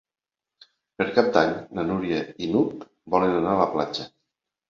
Per Cap d'Any na Núria i n'Hug volen anar a la platja.